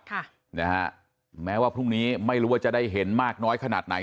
ค่ะนะฮะแม้ว่าพรุ่งนี้ไม่รู้ว่าจะได้เห็นมากน้อยขนาดไหน